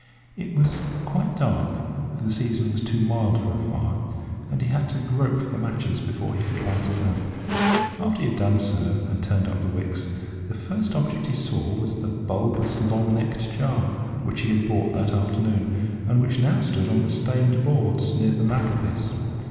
It was quite dark, for the season was too mild for a fire, and he had to grope for the matches before he could light his lamp. After he had done so and turned up the wicks, the first object he saw was the bulbous, long necked jar which he had bought that afternoon, and which now stood on the stained boards near the mantelpiece.